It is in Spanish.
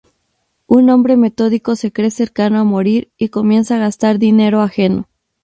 Un hombre metódico se cree cercano a morir y comienza a gastar dinero ajeno.